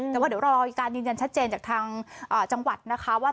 แต่ว่าเดี๋ยวรอการยืนยันชัดเจนจากทางจังหวัดนะคะว่า